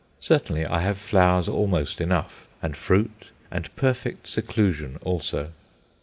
Certainly I have flowers almost enough, and fruit, and perfect seclusion also.